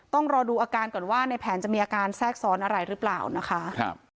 ต้องรอดูอาการก่อนว่าในแผนจะมีอาการแทรกซ้อนอะไรหรือเปล่านะคะ